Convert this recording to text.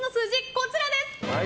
こちらです。